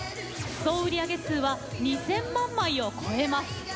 総売り上げ数は２，０００万枚を超えます。